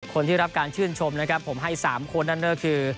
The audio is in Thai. คนที่รับการชื่นชมนะครับผมให้๓คนนั่นก็คือ